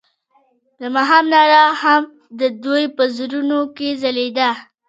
د ماښام رڼا هم د دوی په زړونو کې ځلېده.